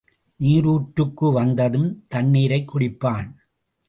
நீரூற்றுக்கு வந்ததும் தண்ணிரைக் குடிப்பான்.